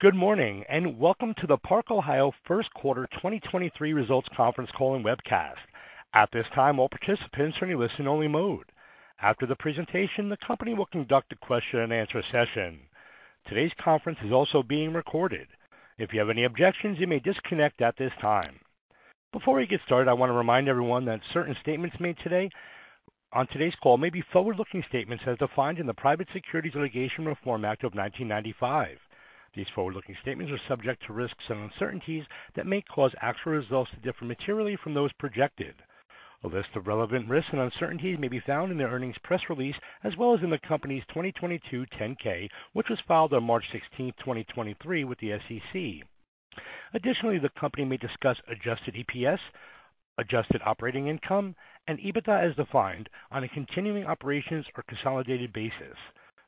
Good morning, welcome to the Park-Ohio first quarter 2023 results conference call and webcast. At this time, all participants are in a listen-only mode. After the presentation, the Company will conduct a question-and-answer session. Today's conference is also being recorded. If you have any objections, you may disconnect at this time. Before we get started, I want to remind everyone that certain statements made on today's call may be forward-looking statements as defined in the Private Securities Litigation Reform Act of 1995. These forward-looking statements are subject to risks and uncertainties that may cause actual results to differ materially from those projected. A list of relevant risks and uncertainties may be found in the earnings press release as well as in the Company's 2022 Form 10-K, which was filed on March 16th, 2023 with the SEC. Additionally, the company may discuss adjusted EPS, adjusted operating income and EBITDA as defined on a continuing operations or consolidated basis.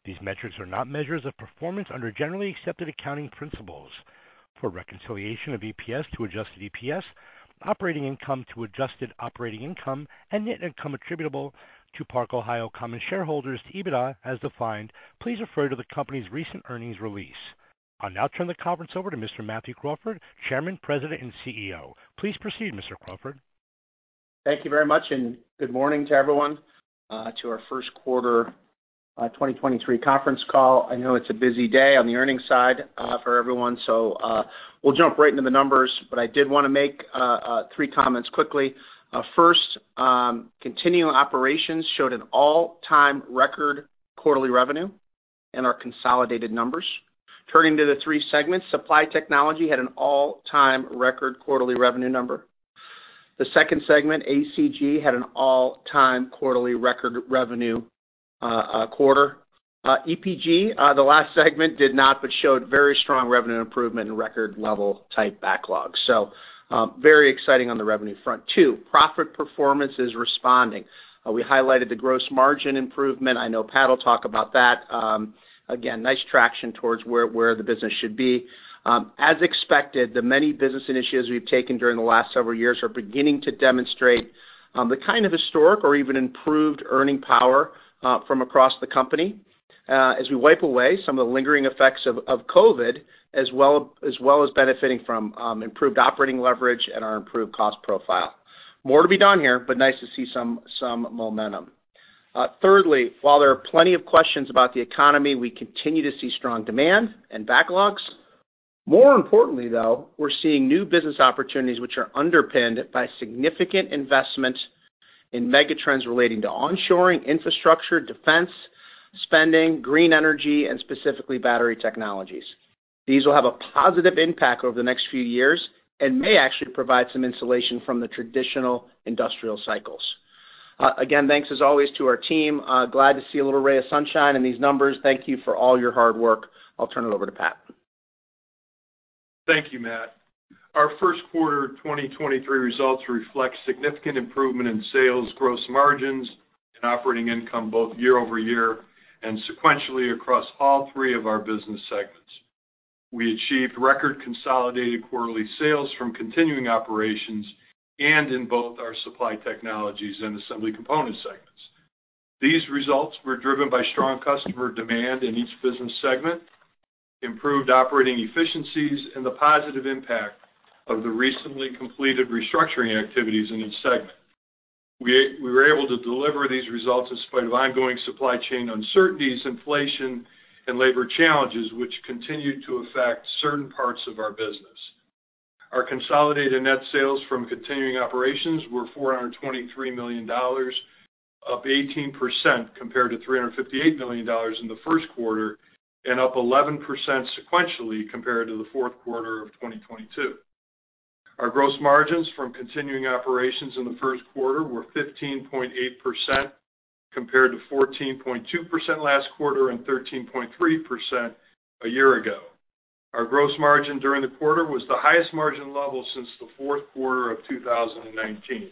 These metrics are not measures of performance under generally accepted accounting principles. For reconciliation of EPS to adjusted EPS, operating income to adjusted operating income and net income attributable to Park-Ohio common shareholders to EBITDA as defined, please refer to the company's recent earnings release. I'll now turn the conference over to Mr. Matthew Crawford, Chairman, President, and CEO. Please proceed, Mr. Crawford. Thank you very much, and good morning to everyone, to our first quarter 2023 conference call. I know it's a busy day on the earnings side for everyone, so we'll jump right into the numbers. I did wanna make three comments quickly. First, continuing operations showed an all-time record quarterly revenue in our consolidated numbers. Turning to the three segments, Supply Technologies had an all-time record quarterly revenue number. The second segment, ACG, had an all-time quarterly record revenue quarter. EPG, the last segment, did not, but showed very strong revenue improvement and record level type backlogs. Very exciting on the revenue front. Two, profit performance is responding. We highlighted the gross margin improvement. I know Pat will talk about that. Again, nice traction towards where the business should be. As expected, the many business initiatives we've taken during the last several years are beginning to demonstrate the kind of historic or even improved earning power from across the company as we wipe away some of the lingering effects of COVID as well as benefiting from improved operating leverage and our improved cost profile. More to be done here, but nice to see some momentum. Thirdly, while there are plenty of questions about the economy, we continue to see strong demand and backlogs. More importantly, though, we're seeing new business opportunities which are underpinned by significant investment in mega trends relating to onshoring, infrastructure, defense, spending, green energy, and specifically battery technologies. These will have a positive impact over the next few years and may actually provide some insulation from the traditional industrial cycles. Again, thanks as always to our team. Glad to see a little ray of sunshine in these numbers. Thank you for all your hard work. I'll turn it over to Pat. Thank you, Matt. Our first quarter 2023 results reflect significant improvement in sales, gross margins, and operating income both year-over-year and sequentially across all three of our business segments. We achieved record consolidated quarterly sales from continuing operations and in both our Supply Technologies and Assembly Components segments. These results were driven by strong customer demand in each business segment, improved operating efficiencies, and the positive impact of the recently completed restructuring activities in each segment. We were able to deliver these results in spite of ongoing supply chain uncertainties, inflation, and labor challenges, which continued to affect certain parts of our business. Our consolidated net sales from continuing operations were $423 million, up 18% compared to $358 million in the first quarter, and up 11% sequentially compared to the fourth quarter of 2022. Our gross margins from continuing operations in the first quarter were 15.8%, compared to 14.2% last quarter and 13.3% a year ago. Our gross margin during the quarter was the highest margin level since the fourth quarter of 2019.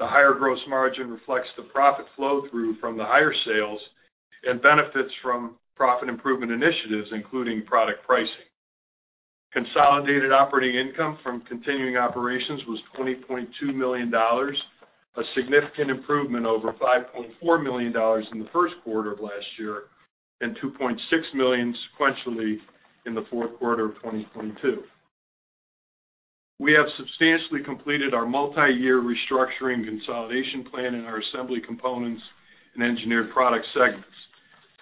The higher gross margin reflects the profit flow through from the higher sales and benefits from profit improvement initiatives, including product pricing. Consolidated operating income from continuing operations was $20.2 million, a significant improvement over $5.4 million in the first quarter of last year and $2.6 million sequentially in the fourth quarter of 2022. We have substantially completed our multi-year restructuring consolidation plan in our Assembly Components and Engineered Products segments.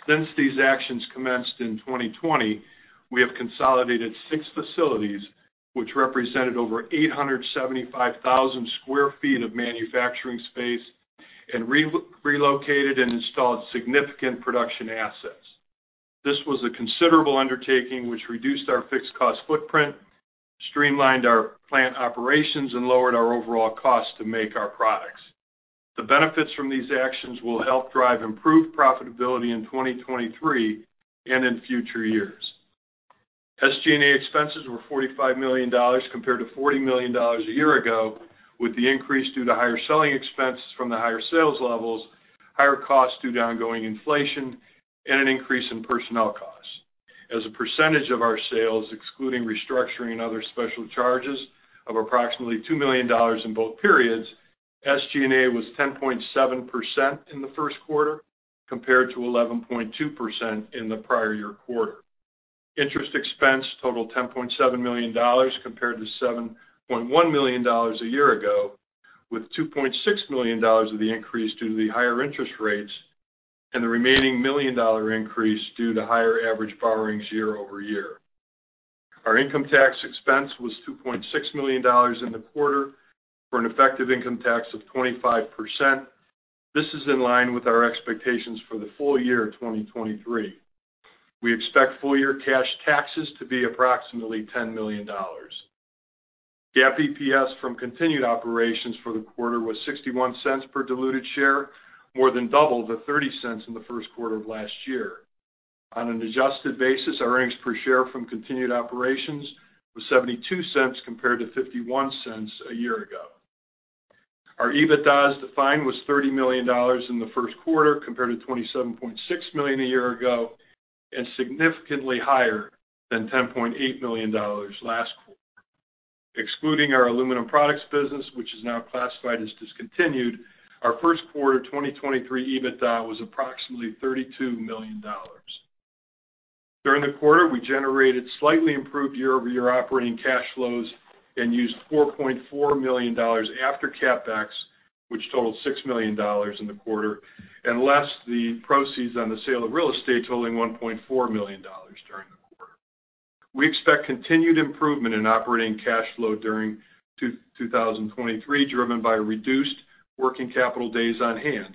Since these actions commenced in 2020, we have consolidated six facilities which represented over 875,000 sq ft of manufacturing space and re-relocated and installed significant production assets. This was a considerable undertaking which reduced our fixed cost footprint, streamlined our plant operations, and lowered our overall cost to make our products. The benefits from these actions will help drive improved profitability in 2023 and in future years. SG&A expenses were $45 million compared to $40 million a year ago, with the increase due to higher selling expenses from the higher sales levels, higher costs due to ongoing inflation, and an increase in personnel costs. As a percentage of our sales, excluding restructuring and other special charges of approximately $2 million in both periods, SG&A was 10.7% in the first quarter. Compared to 11.2% in the prior year quarter. Interest expense totaled $10.7 million compared to $7.1 million a year ago, with $2.6 million of the increase due to the higher interest rates and the remaining $1 million-dollar increase due to higher average borrowings year-over-year. Our income tax expense was $2.6 million in the quarter for an effective income tax of 25%. This is in line with our expectations for the full year 2023. We expect full year cash taxes to be approximately $10 million. GAAP EPS from continued operations for the quarter was $0.61 per diluted share, more than double the $0.30 in the first quarter of last year. On an adjusted basis, our earnings per share from continued operations was $0.72 compared to $0.51 a year ago. Our EBITDA, as defined, was $30 million in the first quarter compared to $27.6 million a year ago, and significantly higher than $10.8 million last quarter. Excluding our aluminum products business, which is now classified as discontinued, our first quarter 2023 EBITDA was approximately $32 million. During the quarter, we generated slightly improved year-over-year operating cash flows and used $4.4 million after CapEx, which totaled $6 million in the quarter, and less the proceeds on the sale of real estate totaling $1.4 million during the quarter. We expect continued improvement in operating cash flow during 2023, driven by reduced working capital days on hand,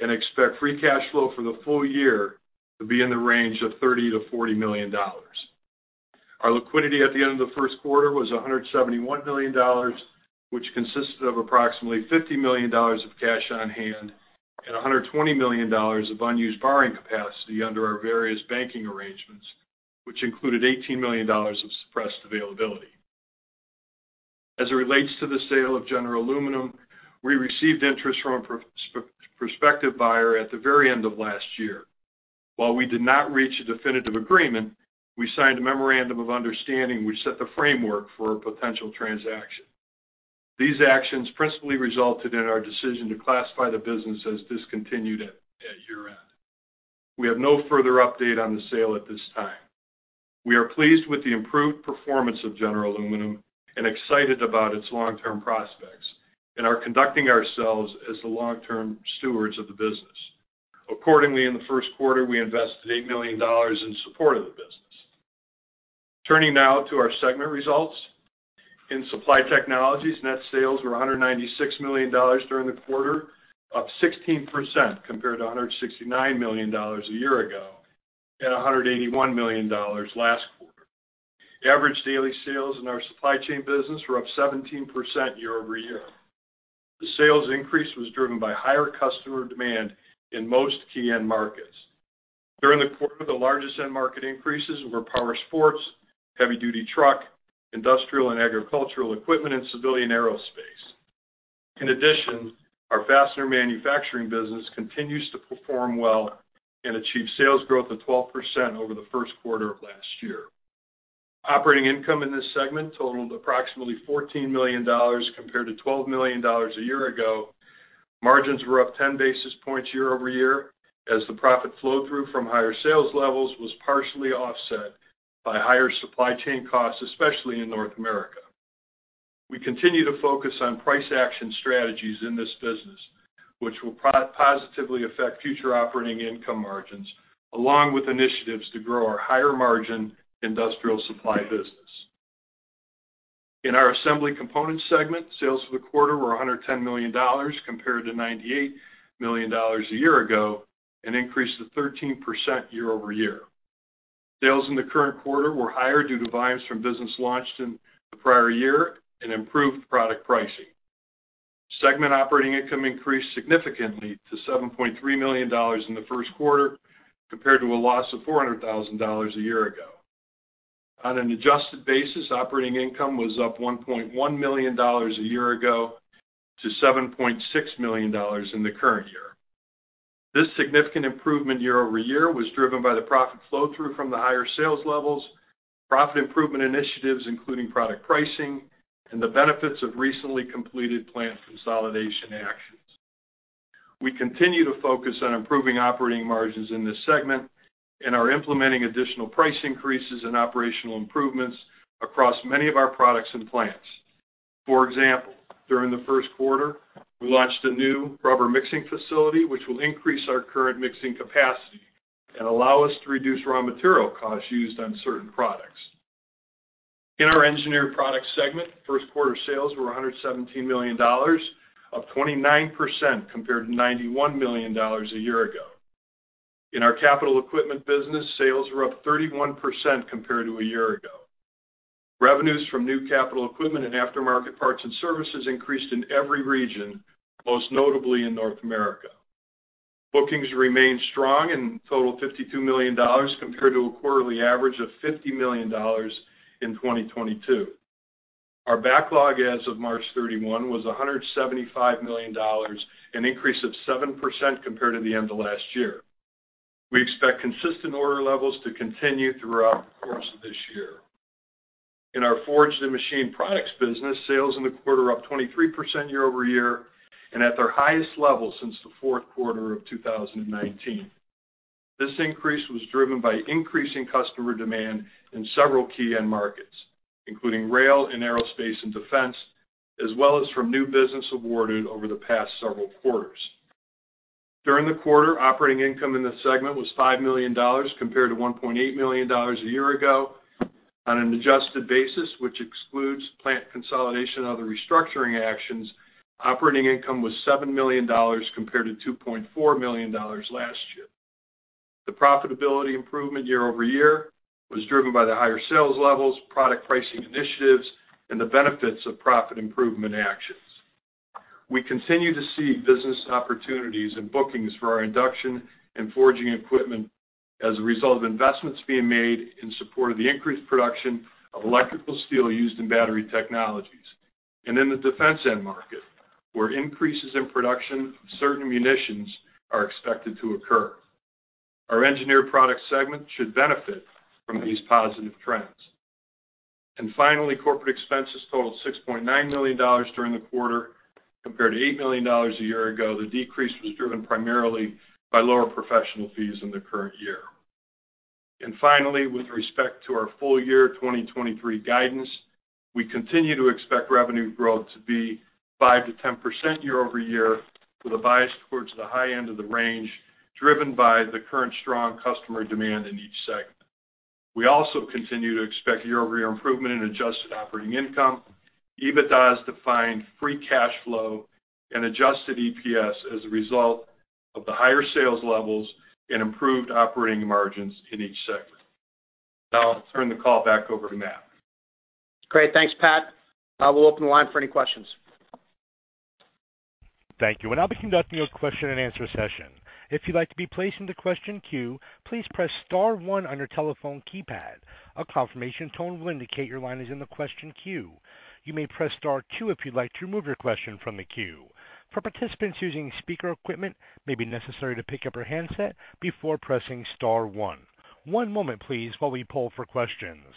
and expect free cash flow for the full year to be in the range of $30 million-$40 million. Our liquidity at the end of the first quarter was $171 million, which consisted of approximately $50 million of cash on hand and $120 million of unused borrowing capacity under our various banking arrangements, which included $18 million of suppressed availability. As it relates to the sale of General Aluminum, we received interest from a prospective buyer at the very end of last year. While we did not reach a definitive agreement, we signed a memorandum of understanding which set the framework for a potential transaction. These actions principally resulted in our decision to classify the business as discontinued at year-end. We have no further update on the sale at this time. We are pleased with the improved performance of General Aluminum and excited about its long-term prospects and are conducting ourselves as the long-term stewards of the business. Accordingly, in the first quarter, we invested $8 million in support of the business. Turning now to our segment results. In Supply Technologies, net sales were $196 million during the quarter, up 16% compared to $169 million a year ago at $181 million last quarter. Average daily sales in our supply chain business were up 17% year-over-year. The sales increase was driven by higher customer demand in most key end markets. During the quarter, the largest end market increases were powersports, heavy-duty truck, industrial and agricultural equipment, and civilian aerospace. Our fastener manufacturing business continues to perform well and achieve sales growth of 12% over the first quarter of last year. Operating income in this segment totaled approximately $14 million compared to $12 million a year ago. Margins were up 10 basis points year-over-year as the profit flow through from higher sales levels was partially offset by higher supply chain costs, especially in North America. We continue to focus on price action strategies in this business, which will positively affect future operating income margins, along with initiatives to grow our higher-margin industrial supply business. In our Assembly Components segment, sales for the quarter were $110 million compared to $98 million a year ago, an increase of 13% year-over-year. Sales in the current quarter were higher due to volumes from business launched in the prior year and improved product pricing. Segment operating income increased significantly to $7.3 million in the first quarter compared to a loss of $400,000 a year ago. On an adjusted basis, operating income was up $1.1 million a year ago to $7.6 million in the current year. This significant improvement year-over-year was driven by the profit flow through from the higher sales levels, profit improvement initiatives, including product pricing, and the benefits of recently completed plant consolidation actions. We continue to focus on improving operating margins in this segment and are implementing additional price increases and operational improvements across many of our products and plants. For example, during the first quarter, we launched a new rubber mixing facility, which will increase our current mixing capacity and allow us to reduce raw material costs used on certain products. In our Engineered Products segment, first quarter sales were $117 million, up 29% compared to $91 million a year ago. In our capital equipment business, sales were up 31% compared to a year ago. Revenues from new capital equipment and aftermarket parts and services increased in every region, most notably in North America. Bookings remained strong and totaled $52 million compared to a quarterly average of $50 million in 2022. Our backlog as of March 31st was $175 million, an increase of 7% compared to the end of last year. We expect consistent order levels to continue throughout the course of this year. In our forged and machined products business, sales in the quarter up 23% year-over-year and at their highest level since the fourth quarter of 2019. This increase was driven by increasing customer demand in several key end markets, including rail and aerospace and defense, as well as from new business awarded over the past several quarters. During the quarter, operating income in this segment was $5 million compared to $1.8 million a year ago. On an adjusted basis, which excludes plant consolidation and other restructuring actions, operating income was $7 million compared to $2.4 million last year. The profitability improvement year-over-year was driven by the higher sales levels, product pricing initiatives, and the benefits of profit improvement actions. We continue to see business opportunities and bookings for our induction and forging equipment as a result of investments being made in support of the increased production of electrical steel used in battery technologies, and in the defense end market, where increases in production of certain munitions are expected to occur. Our Engineered Products segment should benefit from these positive trends. Finally, corporate expenses totaled $6.9 million during the quarter, compared to $8 million a year ago. The decrease was driven primarily by lower professional fees in the current year. Finally, with respect to our full year 2023 guidance, we continue to expect revenue growth to be 5%-10% year-over-year, with a bias towards the high end of the range, driven by the current strong customer demand in each segment. We also continue to expect year-over-year improvement in adjusted operating income, EBITDA as defined free cash flow and adjusted EPS as a result of the higher sales levels and improved operating margins in each segment. Now I'll turn the call back over to Matt. Great. Thanks, Pat. I will open the line for any questions. Thank you. I'll be conducting your question and answer session. If you'd like to be placed into question queue, please press star one on your telephone keypad. A confirmation tone will indicate your line is in the question queue. You may press star two if you'd like to remove your question from the queue. For participants using speaker equipment, it may be necessary to pick up your handset before pressing star one. One moment please while we poll for questions.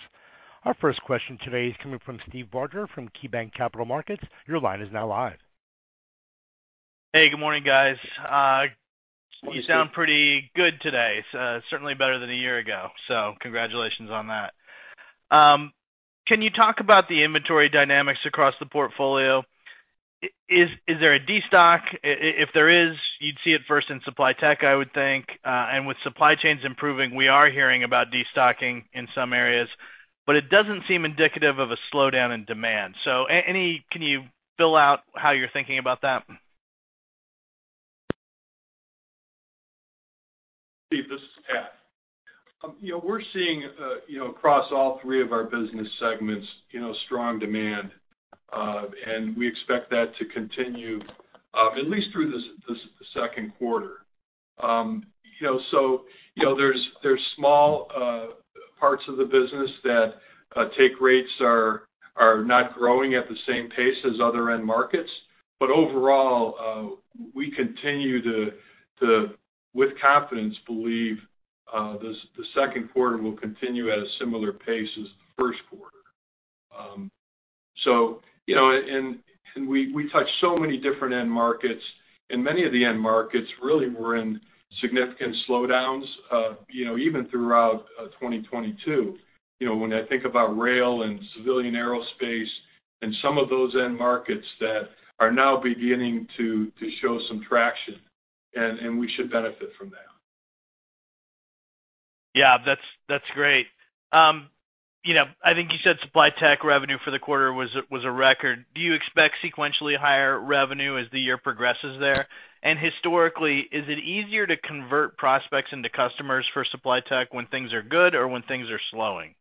Our first question today is coming from Steve Barger from KeyBanc Capital Markets. Your line is now live. Hey, good morning, guys. Good morning, Steve. You sound pretty good today. Certainly better than a year ago. Congratulations on that. Can you talk about the inventory dynamics across the portfolio? Is there a destock? If there is, you'd see it first in Supply Technologies, I would think. And with supply chains improving, we are hearing about destocking in some areas, but it doesn't seem indicative of a slowdown in demand. Any... Can you fill out how you're thinking about that? Steve, this is Pat. You know, we're seeing, you know, across all three of our business segments, you know, strong demand, and we expect that to continue, at least through this, the second quarter. You know, there's small, parts of the business that, take rates are not growing at the same pace as other end markets. Overall, we continue to with confidence, believe, the second quarter will continue at a similar pace as the first quarter. You know, we touch so many different end markets, and many of the end markets really were in significant slowdowns, you know, even throughout, 2022. You know, when I think about rail and civilian aerospace and some of those end markets that are now beginning to show some traction, and we should benefit from that. Yeah, that's great. You know, I think you said Supply Technologies revenue for the quarter was a record. Do you expect sequentially higher revenue as the year progresses there? Historically, is it easier to convert prospects into customers for Supply Technologies when things are good or when things are slowing?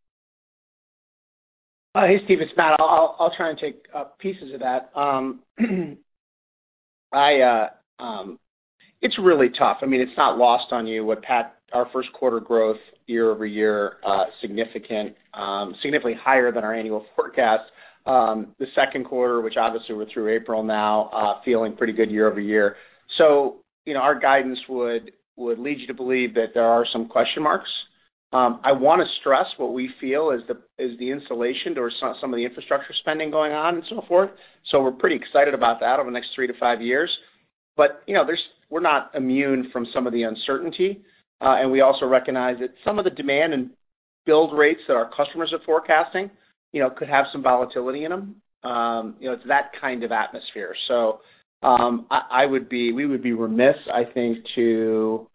Hey, Steve, it's Matt. I'll try and take pieces of that. I, it's really tough. I mean, it's not lost on you what Pat, our first quarter growth year-over-year, significant, significantly higher than our annual forecast. The second quarter, which obviously we're through April now, feeling pretty good year-over-year. You know, our guidance would lead you to believe that there are some question marks. I wanna stress what we feel is the installation or some of the infrastructure spending going on and so forth. We're pretty excited about that over the next three to five years. You know, there's, we're not immune from some of the uncertainty. We also recognize that some of the demand and build rates that our customers are forecasting, you know, could have some volatility in them. You know, it's that kind of atmosphere. We would be remiss, I think, to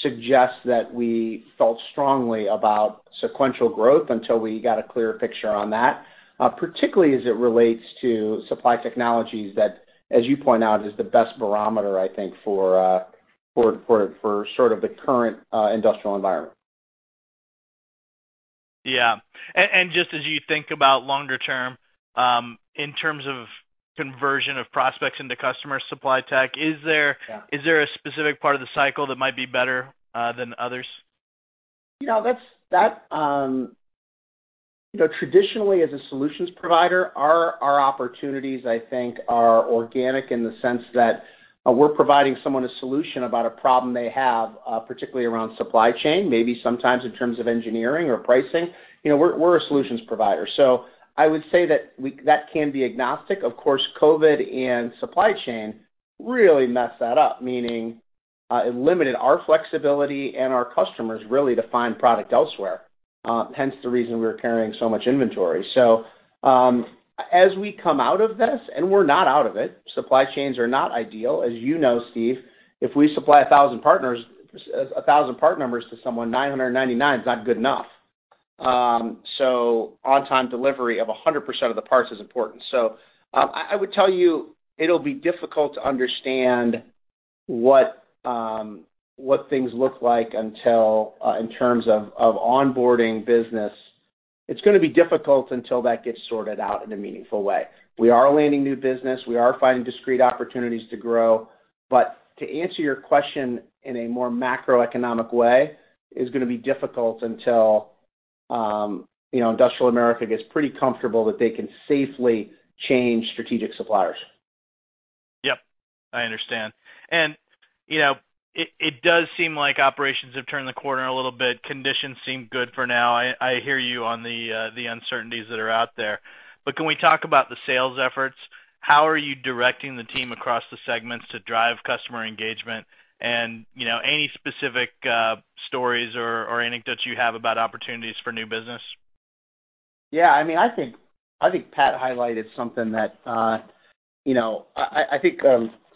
suggest that we felt strongly about sequential growth until we got a clearer picture on that, particularly as it relates to Supply Technologies that, as you point out, is the best barometer, I think, for sort of the current industrial environment. Yeah. Just as you think about longer term, in terms of conversion of prospects into customer Supply Technologies, is there. Yeah. Is there a specific part of the cycle that might be better than others? You know, traditionally as a solutions provider, our opportunities, I think, are organic in the sense that we're providing someone a solution about a problem they have, particularly around supply chain, maybe sometimes in terms of engineering or pricing. You know, we're a solutions provider. I would say that can be agnostic. Of course, COVID and supply chain really messed that up, meaning, it limited our flexibility and our customers really to find product elsewhere, hence the reason we're carrying so much inventory. As we come out of this, and we're not out of it, supply chains are not ideal. As you know, Steve, if we supply 1,000 part numbers to someone, 999 is not good enough. On-time delivery of 100% of the parts is important. I would tell you, it'll be difficult to understand what things look like until in terms of onboarding business. It's gonna be difficult until that gets sorted out in a meaningful way. We are landing new business. We are finding discrete opportunities to grow. To answer your question in a more macroeconomic way is gonna be difficult until, you know, industrial America gets pretty comfortable that they can safely change strategic suppliers. Yep, I understand. You know, it does seem like operations have turned the corner a little bit. Conditions seem good for now. I hear you on the uncertainties that are out there. Can we talk about the sales efforts? How are you directing the team across the segments to drive customer engagement? You know, any specific stories or anecdotes you have about opportunities for new business? Yeah, I mean, I think Pat highlighted something that I think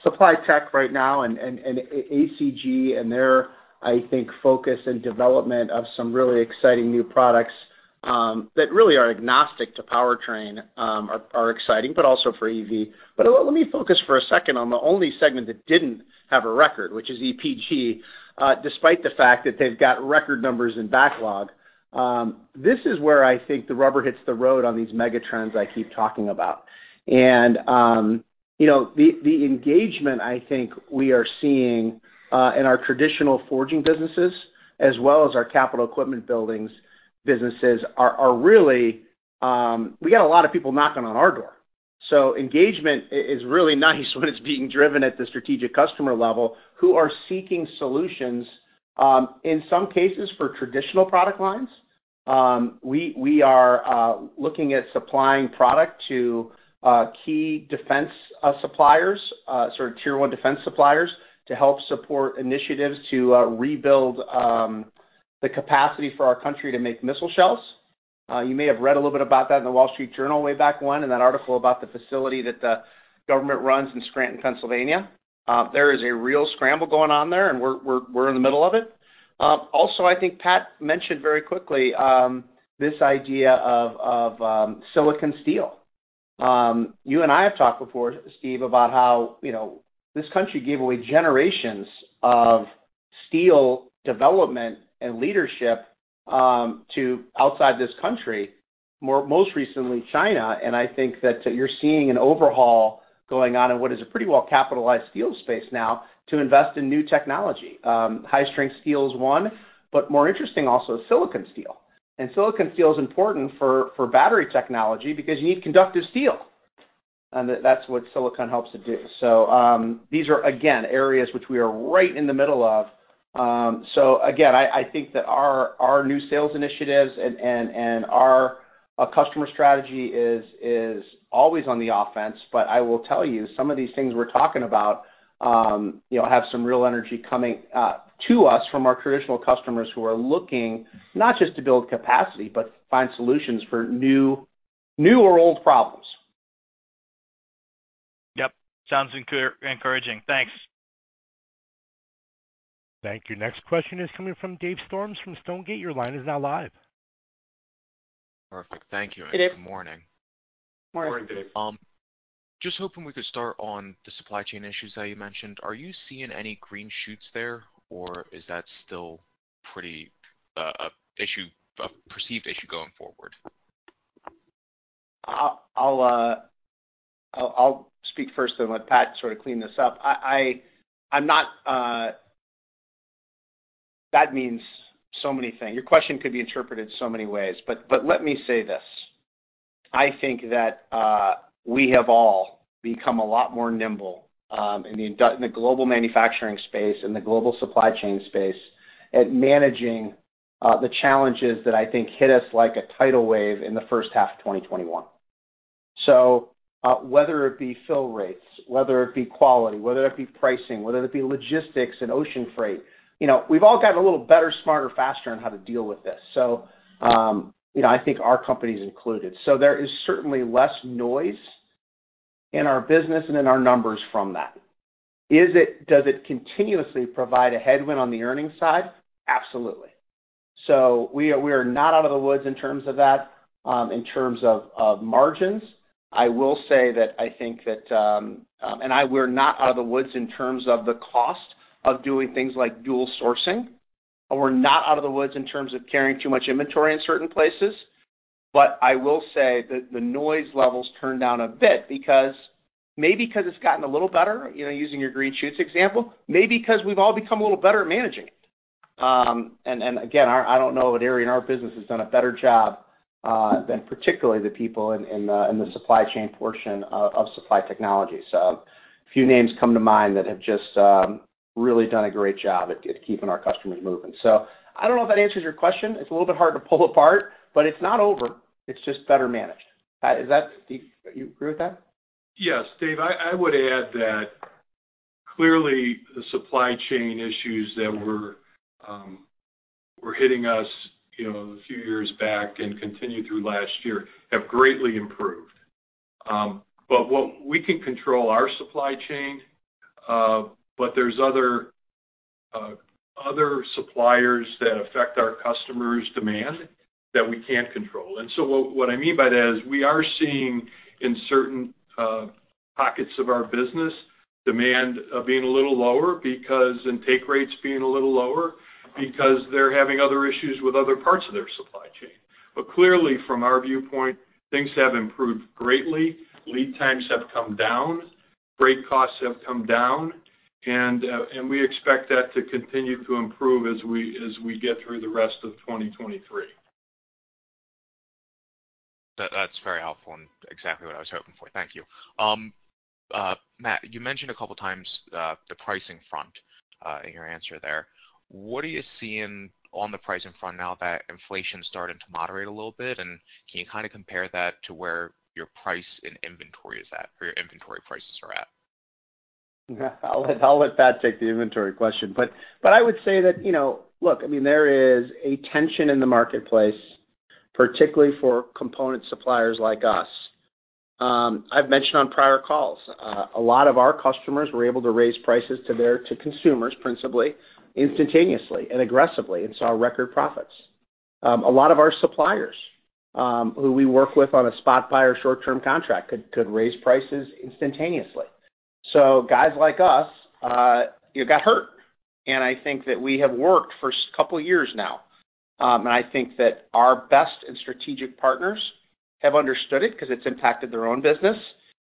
Supply Tech right now and ACG and their I think focus and development of some really exciting new products that really are agnostic to powertrain are exciting, but also for EV. Let me focus for a second on the only segment that didn't have a record, which is EPG, despite the fact that they've got record numbers in backlog. This is where I think the rubber hits the road on these mega trends I keep talking about. The engagement I think we are seeing in our traditional forging businesses as well as our capital equipment buildings businesses are really We got a lot of people knocking on our door. Engagement is really nice when it's being driven at the strategic customer level who are seeking solutions, in some cases for traditional product lines. We are looking at supplying product to key defense suppliers, sort of tier one defense suppliers, to help support initiatives to rebuild the capacity for our country to make missile shells. You may have read a little bit about that in The Wall Street Journal way back when in that article about the facility that the government runs in Scranton, Pennsylvania. There is a real scramble going on there, we're in the middle of it. Also, I think Pat mentioned very quickly, this idea of silicon steel. You and I have talked before, Steve, about how, you know, this country gave away generations of steel development and leadership to outside this country, most recently, China. I think that you're seeing an overhaul going on in what is a pretty well-capitalized steel space now to invest in new technology. High-strength steel is one, but more interesting also is silicon steel. Silicon steel is important for battery technology because you need conductive steel, and that's what silicon helps to do. These are, again, areas which we are right in the middle of. Again, I think that our new sales initiatives and our customer strategy is always on the offense. I will tell you, some of these things we're talking about, you know, have some real energy coming to us from our traditional customers who are looking not just to build capacity, but find solutions for new or old problems. Yep. Sounds encouraging. Thanks. Thank you. Next question is coming from Dave Storms from Stonegate. Your line is now live. Perfect. Thank you. Good day. Good morning. Morning. Morning, Dave. Just hoping we could start on the supply chain issues that you mentioned. Are you seeing any green shoots there, or is that still pretty, a perceived issue going forward? I'll speak first and let Pat sort of clean this up. I'm not. That means so many things. Your question could be interpreted so many ways, but let me say this. I think that we have all become a lot more nimble in the global manufacturing space, in the global supply chain space, at managing the challenges that I think hit us like a tidal wave in the first half of 2021. Whether it be fill rates, whether it be quality, whether it be pricing, whether it be logistics and ocean freight, you know, we've all gotten a little better, smarter, faster on how to deal with this. You know, I think our company's included. There is certainly less noise in our business and in our numbers from that. Does it continuously provide a headwind on the earnings side? Absolutely. We are not out of the woods in terms of that. In terms of margins, I will say that I think that. We're not out of the woods in terms of the cost of doing things like dual sourcing, and we're not out of the woods in terms of carrying too much inventory in certain places. I will say that the noise level's turned down a bit because maybe 'cause it's gotten a little better, you know, using your green shoots example, maybe 'cause we've all become a little better at managing. Again, I don't know what area in our business has done a better job than particularly the people in the supply chain portion of Supply Technologies. A few names come to mind that have just really done a great job at keeping our customers moving. I don't know if that answers your question. It's a little bit hard to pull apart, but it's not over. It's just better managed. Is that, Steve, you agree with that? Yes, Dave. I would add that clearly the supply chain issues that were hitting us, you know, a few years back and continued through last year have greatly improved. We can control our supply chain, but there's other suppliers that affect our customers' demand that we can't control. What I mean by that is we are seeing in certain pockets of our business demand being a little lower and take rates being a little lower because they're having other issues with other parts of their supply chain. Clearly, from our viewpoint, things have improved greatly. Lead times have come down. Freight costs have come down. We expect that to continue to improve as we get through the rest of 2023. That's very helpful and exactly what I was hoping for. Thank you. Matt, you mentioned a couple of times, the pricing front in your answer there. What are you seeing on the pricing front now that inflation's starting to moderate a little bit, and can you kinda compare that to where your price and inventory is at, or your inventory prices are at? I'll let Pat take the inventory question. I would say that, you know, look, I mean, there is a tension in the marketplace, particularly for component suppliers like us. I've mentioned on prior calls, a lot of our customers were able to raise prices to consumers principally, instantaneously and aggressively and saw record profits. A lot of our suppliers, who we work with on a spot buyer short-term contract could raise prices instantaneously. Guys like us got hurt, and I think that we have worked for couple years now. I think that our best and strategic partners have understood it 'cause it's impacted their own business,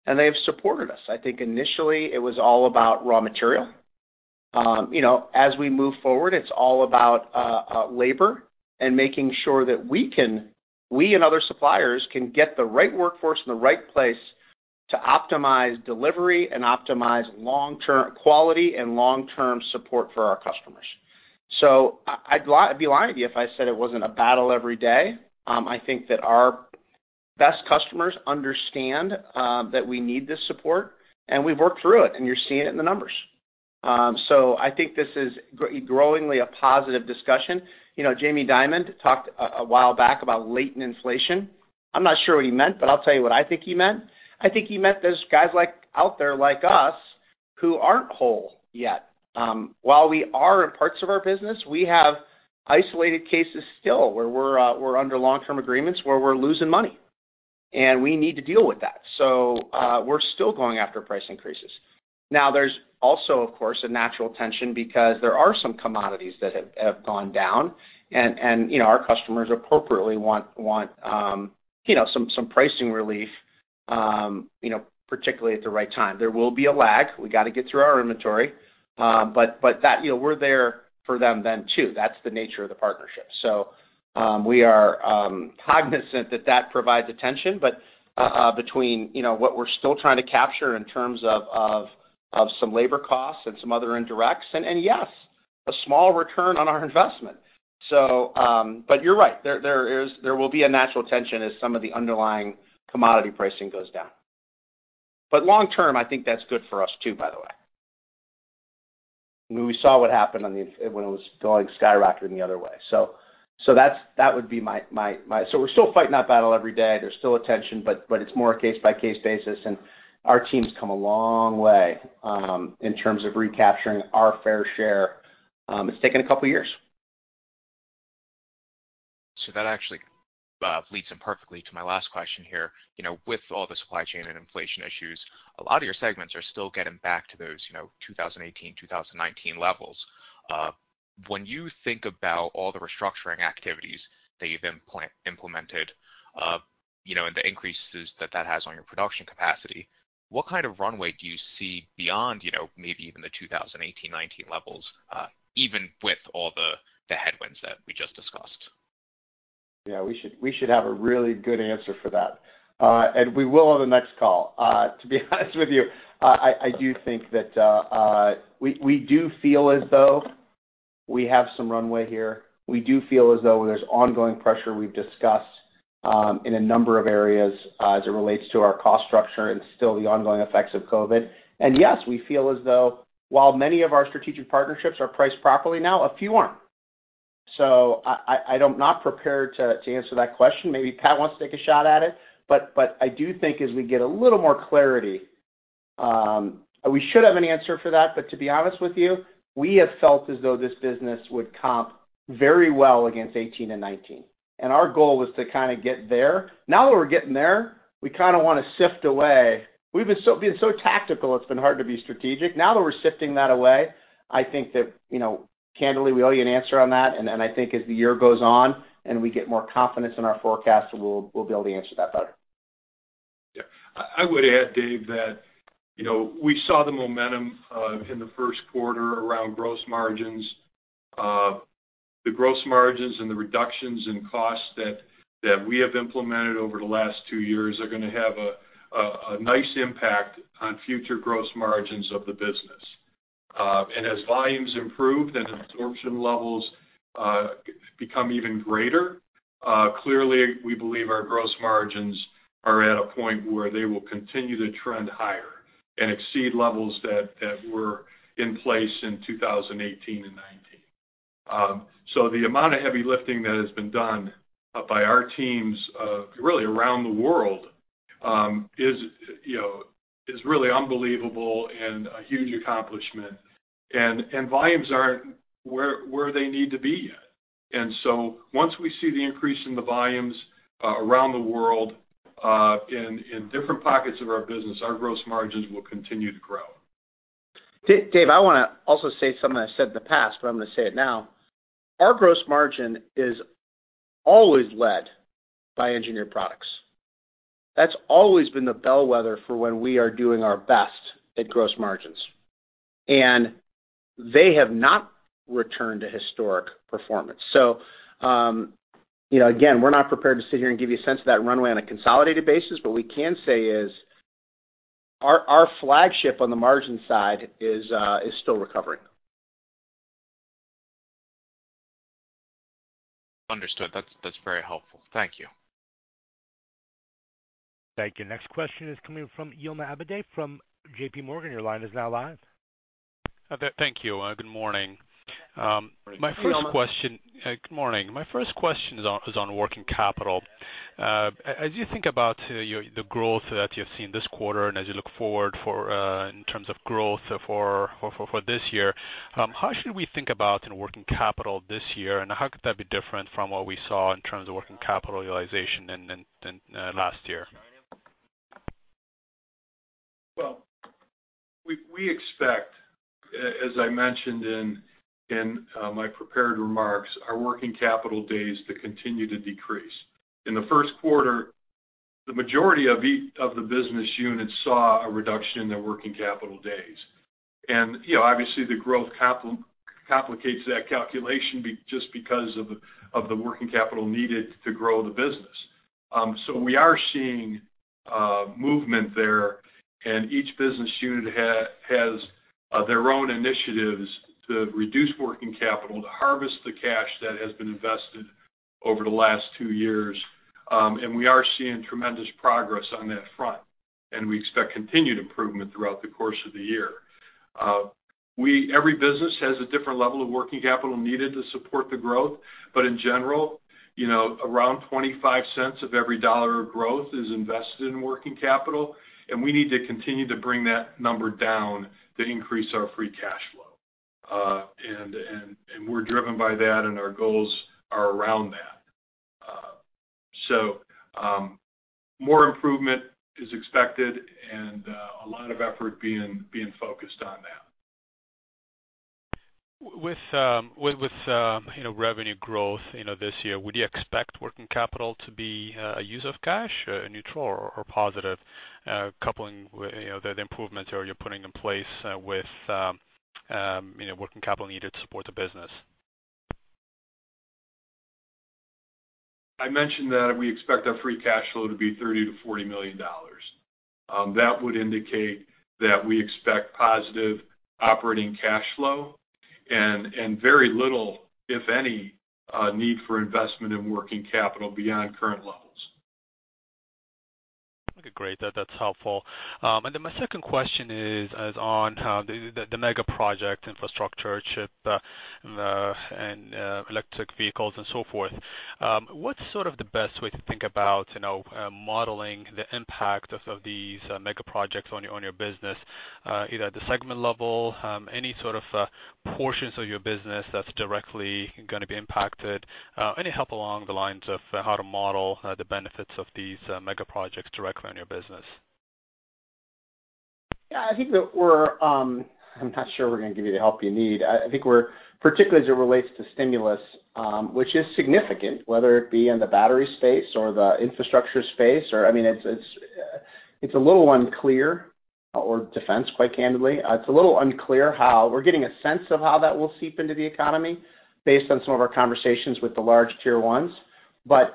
and they have supported us. I think initially it was all about raw material. You know, as we move forward, it's all about labor and making sure that we and other suppliers can get the right workforce in the right place to optimize delivery and optimize long-term quality and long-term support for our customers. I'd be lying to you if I said it wasn't a battle every day. I think that our best customers understand that we need this support, and we've worked through it, and you're seeing it in the numbers. I think this is growingly a positive discussion. You know, Jamie Dimon talked a while back about latent inflation. I'm not sure what he meant, but I'll tell you what I think he meant. I think he meant there's guys out there like us who aren't whole yet. While we are in parts of our business, we have isolated cases still where we're under long-term agreements, where we're losing money, and we need to deal with that. We're still going after price increases. There's also, of course, a natural tension because there are some commodities that have gone down and, you know, our customers appropriately want, you know, some pricing relief, you know, particularly at the right time. There will be a lag. We gotta get through our inventory, but that... you know, we're there for them then too. That's the nature of the partnership. We are cognizant that that provides a tension, but between, you know, what we're still trying to capture in terms of some labor costs and some other indirects and yes, a small return on our investment. You're right. There will be a natural tension as some of the underlying commodity pricing goes down. Long-term, I think that's good for us too, by the way. I mean, we saw what happened on the when it was going skyrocketing the other way. That's, that would be my... We're still fighting that battle every day. There's still a tension, but it's more a case-by-case basis. Our team's come a long way, in terms of recapturing our fair share. It's taken a couple years. That actually leads in perfectly to my last question here. You know, with all the supply chain and inflation issues, a lot of your segments are still getting back to those, you know, 2018, 2019 levels. When you think about all the restructuring activities that you've implemented, you know, and the increases that that has on your production capacity, what kind of runway do you see beyond, you know, maybe even the 2018, 2019 levels, even with all the headwinds that we just discussed? Yeah, we should have a really good answer for that. We will on the next call. To be honest with you, I do think that we do feel as though we have some runway here. We do feel as though there's ongoing pressure we've discussed in a number of areas as it relates to our cost structure and still the ongoing effects of COVID. Yes, we feel as though while many of our strategic partnerships are priced properly now, a few aren't. Not prepared to answer that question. Maybe Pat wants to take a shot at it. I do think as we get a little more clarity, we should have an answer for that. To be honest with you, we have felt as though this business would comp very well against 18 and 19, and our goal was to kinda get there. Now that we're getting there, we kinda wanna sift away. We've been being so tactical, it's been hard to be strategic. Now that we're sifting that away, I think that, you know, candidly, we owe you an answer on that. Then I think as the year goes on and we get more confidence in our forecast, we'll be able to answer that better. Yeah. I would add, Dave, that, you know, we saw the momentum in the first quarter around gross margins. The gross margins and the reductions in costs that we have implemented over the last two years are gonna have a nice impact on future gross margins of the business. As volumes improve, then absorption levels become even greater. Clearly, we believe our gross margins are at a point where they will continue to trend higher and exceed levels that were in place in 2018 and 2019. The amount of heavy lifting that has been done by our teams, really around the world, is, you know, is really unbelievable and a huge accomplishment. Volumes aren't where they need to be yet. Once we see the increase in the volumes, around the world, in different pockets of our business, our gross margins will continue to grow. Dave, I wanna also say something I said in the past, but I'm gonna say it now. Our gross margin is always led by Engineered Products. That's always been the bellwether for when we are doing our best at gross margins. They have not returned to historic performance. You know, again, we're not prepared to sit here and give you a sense of that runway on a consolidated basis. We can say is our flagship on the margin side is still recovering. Understood. That's very helpful. Thank you. Thank you. Next question is coming from Yilma Abebe from JPMorgan. Your line is now live. Thank you. Good morning. My first question. Hey, Yilma. Good morning. My first question is on working capital. As you think about the growth that you've seen this quarter and as you look forward for in terms of growth for this year, how should we think about in working capital this year, and how could that be different from what we saw in terms of working capital realization than last year? We expect, as I mentioned in my prepared remarks, our working capital days to continue to decrease. In the first quarter, the majority of the business units saw a reduction in their working capital days. You know, obviously the growth complicates that calculation just because of the working capital needed to grow the business. We are seeing movement there, and each business unit has their own initiatives to reduce working capital, to harvest the cash that has been invested over the last two years. We are seeing tremendous progress on that front, and we expect continued improvement throughout the course of the year. Every business has a different level of working capital needed to support the growth. In general, you know, around $0.25 of every $1 of growth is invested in working capital, and we need to continue to bring that number down to increase our free cash flow. And we're driven by that, and our goals are around that. So, more improvement is expected and a lot of effort being focused on that. With, you know, revenue growth, you know, this year, would you expect working capital to be a use of cash, neutral or positive, coupling with, you know, the improvements that you're putting in place, with, you know, working capital needed to support the business? I mentioned that we expect our free cash flow to be $30 million-$40 million. That would indicate that we expect positive operating cash flow and very little, if any, need for investment in working capital beyond current levels. Okay, great. That's helpful. My second question is on the mega project infrastructure chip, and electric vehicles and so forth. What's sort of the best way to think about, you know, modeling the impact of these mega projects on your business, either at the segment level, any sort of portions of your business that's directly gonna be impacted, any help along the lines of how to model the benefits of these mega projects directly on your business? Yeah, I think that we're. I'm not sure we're gonna give you the help you need. I think we're particularly as it relates to stimulus, which is significant, whether it be in the battery space or the infrastructure space or. I mean, it's a little unclear or defense, quite candidly. It's a little unclear how we're getting a sense of how that will seep into the economy based on some of our conversations with the large tier ones.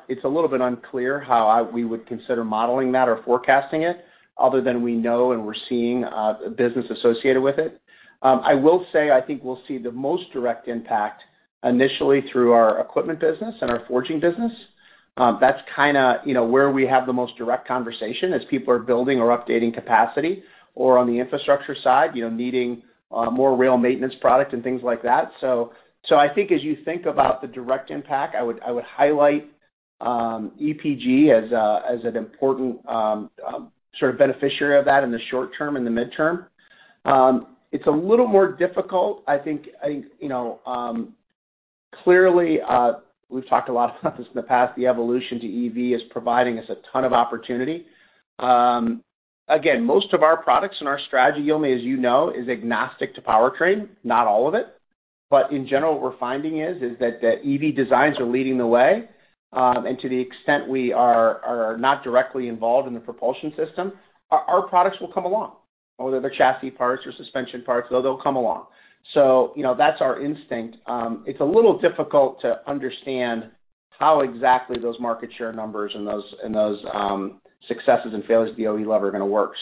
It's a little bit unclear how we would consider modeling that or forecasting it other than we know and we're seeing business associated with it. I will say, I think we'll see the most direct impact initially through our equipment business and our forging business. That's kind of, you know, where we have the most direct conversation as people are building or updating capacity or on the infrastructure side, you know, needing more rail maintenance product and things like that. So I think as you think about the direct impact, I would highlight EPG as an important sort of beneficiary of that in the short term, in the midterm. It's a little more difficult, I think, you know. Clearly, we've talked a lot about this in the past. The evolution to EV is providing us a ton of opportunity. Again, most of our products and our strategy, Yilma, as you know, is agnostic to powertrain, not all of it. In general, what we're finding is that the EV designs are leading the way. To the extent we are not directly involved in the propulsion system, our products will come along, whether they're chassis parts or suspension parts, they'll come along. You know, that's our instinct. It's a little difficult to understand how exactly those market share numbers and those successes and failures at the OE level are gonna work.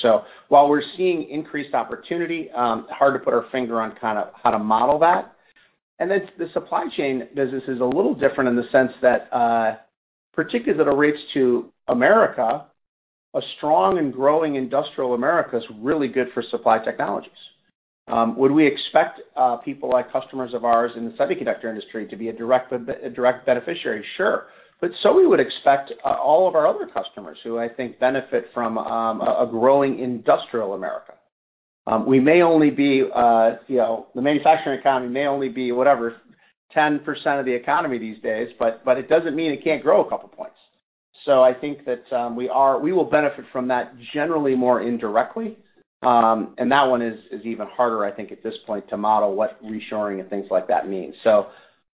While we're seeing increased opportunity, hard to put our finger on kinda how to model that. The supply chain business is a little different in the sense that, particularly as it relates to America, a strong and growing industrial America is really good for Supply Technologies. Would we expect people like customers of ours in the semiconductor industry to be a direct beneficiary? Sure. We would expect all of our other customers who I think benefit from a growing industrial America. We may only be, you know, the manufacturing economy may only be whatever, 10% of the economy these days, but it doesn't mean it can't grow a couple points. I think that we will benefit from that generally more indirectly. That one is even harder, I think, at this point, to model what reshoring and things like that mean.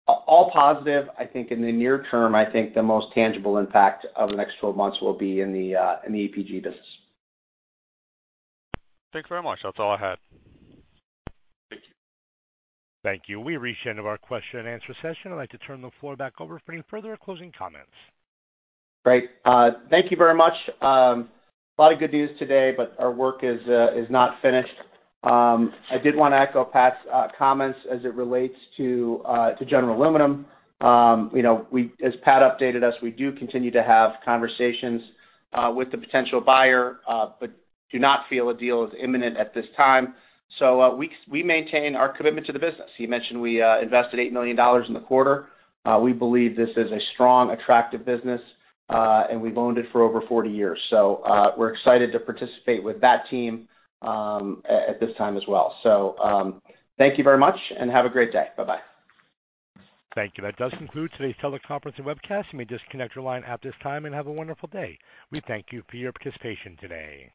All positive. I think in the near term, I think the most tangible impact over the next 12 months will be in the EPG business. Thanks very much. That's all I had. Thank you. Thank you. We reached the end of our question and answer session. I'd like to turn the floor back over for any further closing comments. Great. Thank you very much. A lot of good news today, our work is not finished. I did wanna echo Pat's comments as it relates to General Aluminum. You know, as Pat updated us, we do continue to have conversations with the potential buyer, do not feel a deal is imminent at this time. We maintain our commitment to the business. He mentioned we invested $8 million in the quarter. We believe this is a strong, attractive business, we've owned it for over 40 years. We're excited to participate with that team at this time as well. Thank you very much and have a great day. Bye-bye. Thank you. That does conclude today's teleconference and webcast. You may disconnect your line at this time and have a wonderful day. We thank you for your participation today.